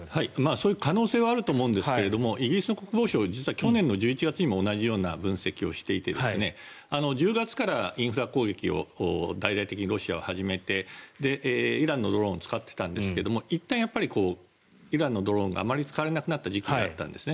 そういう可能性はあると思うんですがイギリスの国防省実は去年の１１月にも同じような分析をしていて１０月からインフラ攻撃を大々的にロシアは始めてイランのドローンを使っていたんですがいったんやっぱりイランのドローンがあまり使われなくなった時期があったんですね。